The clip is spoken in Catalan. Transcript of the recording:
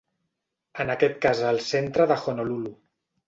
En aquest cas al centre de Honolulu.